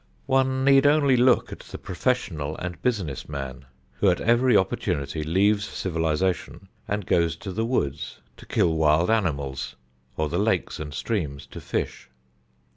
One need only look at the professional and business man, who at every opportunity leaves civilization and goes to the woods to kill wild animals or to the lakes and streams to fish.